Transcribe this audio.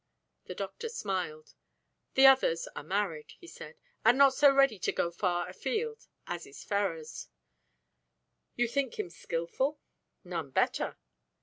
The doctor smiled. "The others are married," he said, "and not so ready to go far afield as is Ferrars." "You think him skilful?" "None better."